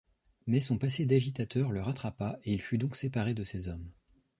Mais son passé d'agitateur le rattrapa et il fut donc séparé de ses hommes.